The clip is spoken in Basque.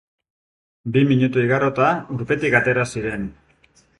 Bi minutu igarota, urpetik atera ziren.